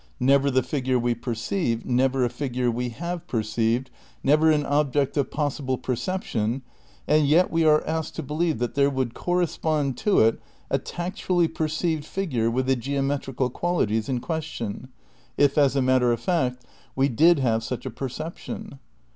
Never the fig ure we perceive, never a figure we have perceived, never an object of possible perception, and yet we are asked to believe that there would correspond to it " a tactually perceived figure with the geometrical qualities in ques tion, if as a matter of fact we did have such a percep tion."